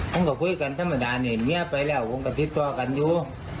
ผมก็คุยกันธรรมดานี่เมียไปแล้วผมก็ติดต่อกันอยู่